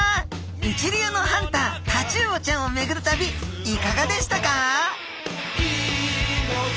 一流のハンタータチウオちゃんをめぐる旅いかがでしたか？